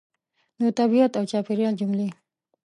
د طبیعت او چاپېریال جملې